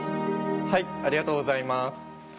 ありがとうございます。